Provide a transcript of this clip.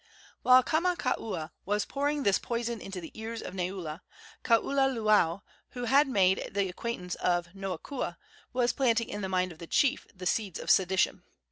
While Kamakaua was pouring this poison into the ears of Neula, Kaululaau, who had made the acquaintance of Noakua, was planting in the mind of that chief the seeds of sedition.